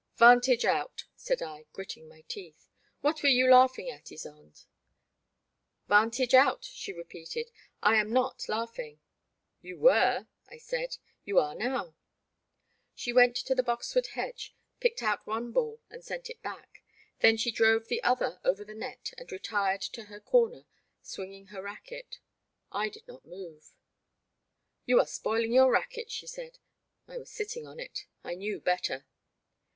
Vantage out, said I, gritting my teeth; what were you laughing at, Ysonde? Vantage out, she repeated; I am not laughing. You were, I said ;you are now. She went to the boxwood hedge, picked out one ball and sent it back ; then she drove the other over the net and retired to her comer swinging her racquet. I did not move. You are spoiling your racquet, she said. I was sitting on it. I knew better.